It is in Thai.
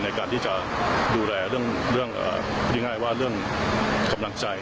ในการที่จะดูแลเรื่องง่ายว่าเรื่องกำลังใจ